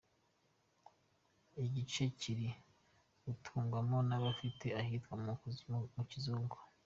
Igice kiri guturwamo n’abifite, ahitwa mu Kizungu.